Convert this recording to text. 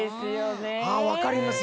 分かります